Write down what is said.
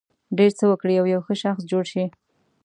ډېر څه وکړي او یو ښه شخص جوړ شي.